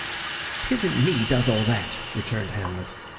"'Tisn't me does all that," returned Hamlet.